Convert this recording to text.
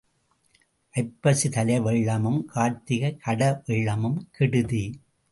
ஐப்பசி தலை வெள்ளமும் கார்த்திகை கடை வெள்ளமும் கெடுதி.